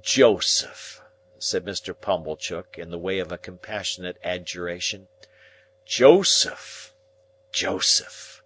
—Joseph!" said Mr. Pumblechook, in the way of a compassionate adjuration. "Joseph!! Joseph!!!"